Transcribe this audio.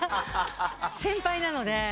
先輩なので。